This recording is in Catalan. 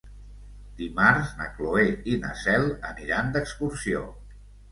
Dimarts na Cloè i na Cel aniran d'excursió.